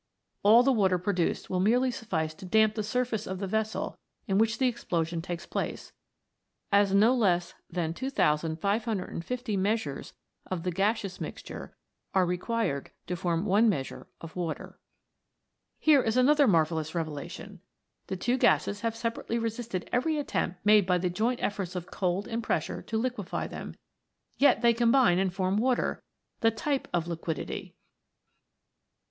All the water produced will merely suffice to damp the sur face of the vessel in which the .explosion takes place, as no less than 2550 measures of the gaseous mixture are required to form one measure of water. Here is another marvellous revelation ! The two gases have separately resisted every attempt made by the joint efforts of cold and pressure to liquify them, yet they combine and form water, the type of liquidity